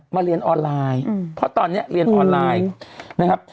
มาเรียนออนไลน์เพราะตอนนี้เรียนออนไลน์